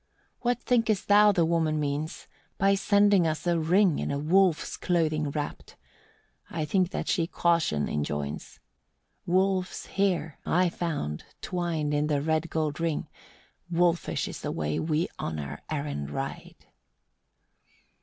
8. "What thinkest thou the woman means, by sending us a ring in a wolf's clothing wrapt? I think that she caution enjoins. Wolf's hair I found twined in the red gold ring: wolfish is the way we on our errand ride."